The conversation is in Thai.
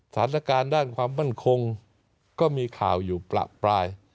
สถานการณ์ด้านความมั่นคงก็มีข่าวอยู่ประปราย